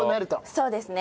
そうですね。